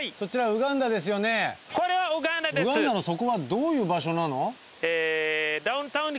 ウガンダのそこはどういう場所なの？